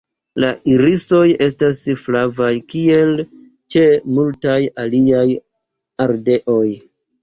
La irisoj estas flavaj kiel ĉe multaj aliaj ardeoj.